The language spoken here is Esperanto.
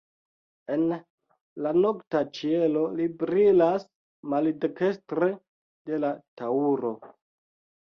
En la nokta ĉielo li brilas maldekstre de la Taŭro.